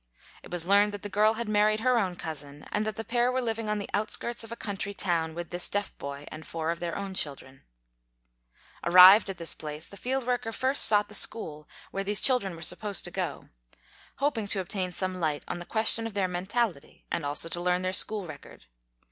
It was learned that FACTS ABOUT THE KALLIKAK FAMILY 77 this girl had married her own cousin and that the pair were living on the outskirts of a country town, with this deaf boy and four of their own children. Arrived at this place, the field worker first sought the school where these children were supposed to go, hoping to obtain some light on the question of their mentality and also to learn their school record.